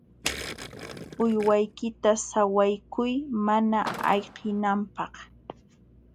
Uywaykita sawaykuy mana ayqinanpaq.